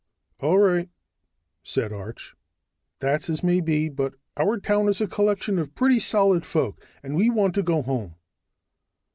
"All right," said Arch. "That's as may be. But our town is a collection of pretty solid folk and we want to go home."